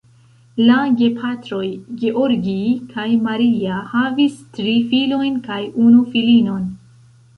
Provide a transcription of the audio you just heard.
La gepatroj (Georgij kaj Maria) havis tri filojn kaj unu filinon.